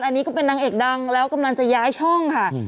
อันนี้ก็เป็นนางเอกดังแล้วกำลังจะย้ายช่องค่ะ